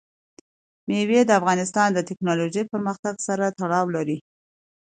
مېوې د افغانستان د تکنالوژۍ پرمختګ سره تړاو لري.